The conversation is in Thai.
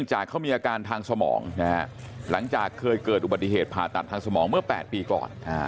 หลังจากเคยเกิดอุบัติเหตุผ่าตัดทางสมองเมื่อ๘ปีก่อน